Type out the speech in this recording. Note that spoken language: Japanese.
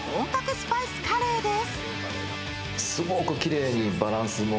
スパイスカレーです。